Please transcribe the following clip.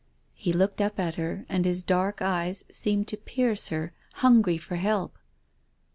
He looked up at her and his dark eyes seemed to pierce her, hungry for help.